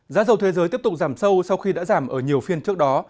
giá dầu thế giới tiếp tục giảm sâu sau khi đã giảm ở nhiều phiên trước đó